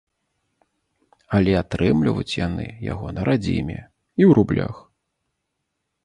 Але атрымліваюць яны яго на радзіме і ў рублях.